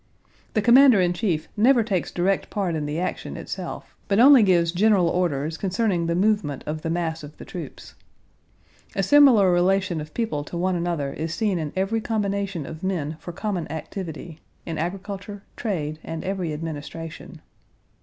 The commander in chief never takes direct part in the action itself, but only gives general orders concerning the movement of the mass of the troops. A similar relation of people to one another is seen in every combination of men for common activity—in agriculture, trade, and every administration.